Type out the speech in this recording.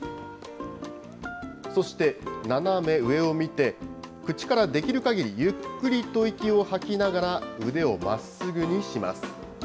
そして斜め上を見て、口からできるかぎり、ゆっくりと息を吐きながら、腕をまっすぐにします。